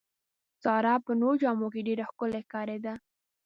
ساره په نوو جامو کې ډېره ښکلې ښکارېده.